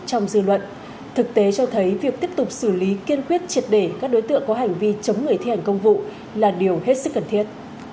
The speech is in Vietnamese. trong dư luận thực tế cho thấy việc tiếp tục xử lý kiên quyết triệt để các đối tượng có hành vi chống người thi hành công vụ là điều hết sức cần thiết